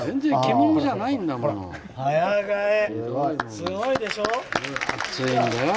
すごいでしょう？